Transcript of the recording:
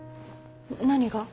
何が？